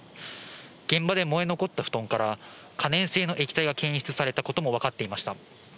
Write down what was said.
現場で燃え残った布団から、可燃性の液体が検出されたことも分かっていました。